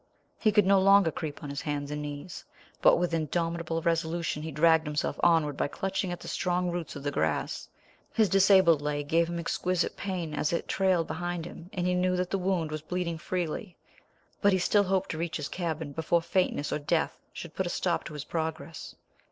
He could no longer creep on his hands and knees, but with indomitable resolution he dragged himself onward by clutching at the strong roots of the grass. His disabled leg gave him exquisite pain as it trailed behind him, and he knew that the wound was bleeding freely; but he still hoped to reach his cabin before faintness or death should put a stop to his progress.